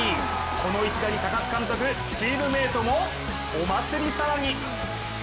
この一打に高津監督チームメートもお祭り騒ぎ。